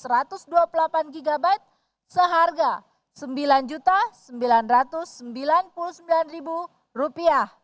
ram delapan gb dan rom satu gb seharga rp sembilan sembilan ratus sembilan puluh sembilan